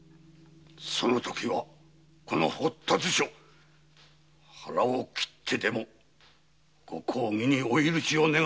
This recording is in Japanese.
そのときはこの堀田図書腹を切ってでもご公儀にお許しを願い出る所存。